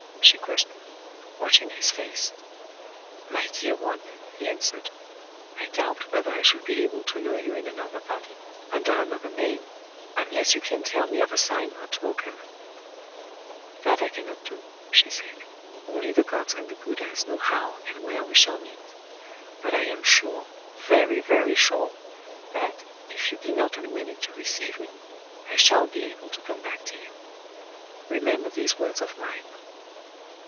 she questioned, watching his face. "My dear one," he answered, "I doubt whether I should be able to know you in another body, under another name,—unless you can tell me of a sign or token." "That I cannot do," she said. "Only the Gods and the Buddhas know how and where we shall meet. But I am sure—very, very sure—that, if you be not unwilling to receive me, I shall be able to come back to you... Remember these words of mine."...